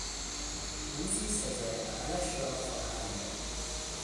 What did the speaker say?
روزی سزای عملش را خواهم داد.